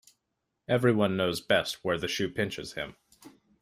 Every one knows best where the shoe pinches him.